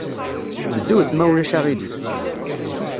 Bdut, ma ulac aɣilif.